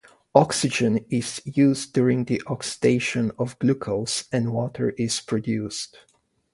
Oxygen is used during the oxidation of glucose and water is produced.